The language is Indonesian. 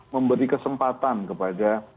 memberi kesempatan kepada